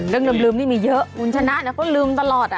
เรื่องลืมนี่มีเยอะมนุษย์ชนะนะเพราะลืมตลอด